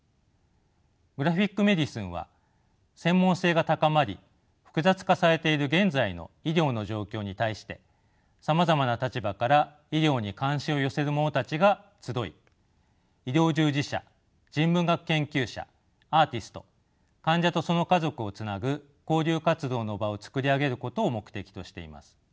グラフィック・メディスンは専門性が高まり複雑化されている現在の医療の状況に対してさまざまな立場から医療に関心を寄せる者たちが集い医療従事者人文学研究者アーティスト患者とその家族をつなぐ交流活動の場を作り上げることを目的としています。